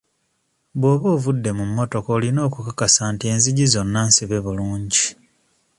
Bw'oba ovudde mu mmotoka olina okukakasa nti enzigi zonna nsibe bulungi.